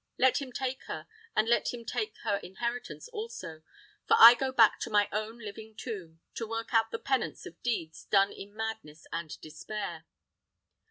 Let him take her, and let him take her inheritance also; for I go back to my own living tomb, to work out the penance of deeds done in madness and despair."